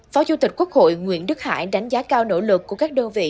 phó chủ tịch quốc hội nguyễn đức hải đánh giá cao nỗ lực của các đơn vị